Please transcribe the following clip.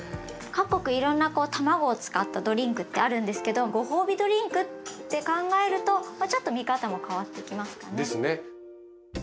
各国いろんなこうたまごを使ったドリンクってあるんですけどご褒美ドリンクって考えるとまあちょっと見方も変わってきますかね。ですね。